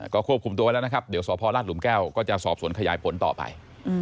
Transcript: ก็ควบคุมตัวไว้แล้วนะครับเดี๋ยวสพลาดหลุมแก้วก็จะสอบสวนขยายผลต่อไป